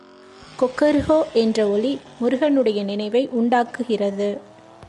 கொக்கறுகோ என்ற ஒலி முருகனுடைய நினைவை உண்டாக்குகிறது.